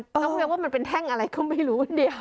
ต้องเรียกว่ามันเป็นแท่งอะไรก็ไม่รู้อันเดียว